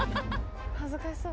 恥ずかしそう。